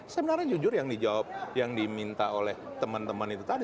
sebenarnya jujur yang dijawab yang diminta oleh teman teman itu tadi